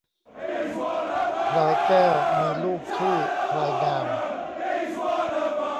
พลายแก้วมีลูกชื่อพลายงาม